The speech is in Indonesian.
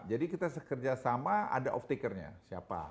jadi kita kerjasama ada off takernya siapa